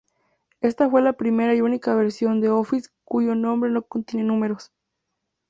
Esta fue la primera y única versión de Office cuyo nombre no contiene números.